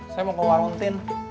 saya mau ke warung ten